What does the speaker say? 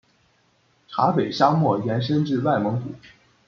察北沙漠延伸至外蒙古。